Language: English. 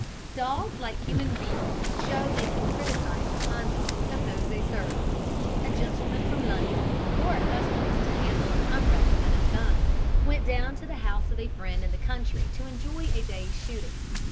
Dogs, like human beings, show that they can criticise the conduct of those they serve. A gentleman from London, more accustomed to handle an umbrella than a gun, went down to the house of a friend in the country to enjoy a day's shooting.